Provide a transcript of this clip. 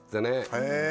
へえ！